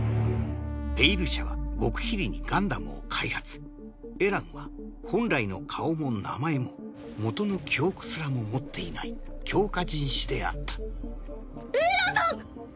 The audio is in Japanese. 「ペイル社」は極秘裏にガンダムを開発エランは本来の顔も名前も元の記憶すらも持っていない強化人士であったエランさん！